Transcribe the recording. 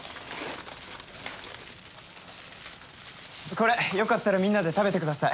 これ良かったらみんなで食べてください。